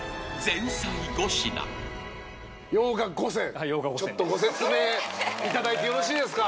洋画５選ちょっとご説明いただいてよろしいですか？